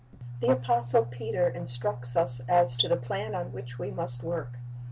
The apostle Peter instructs us as to the plan on which we must work.